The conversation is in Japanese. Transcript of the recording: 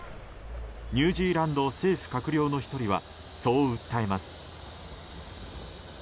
ニュージーランド政府閣僚の１人は、そう訴えます。